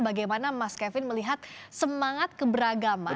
bagaimana mas kevin melihat semangat keberagaman